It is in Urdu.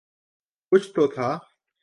کچھ تو تھا۔